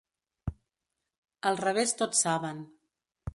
Al revés tots saben.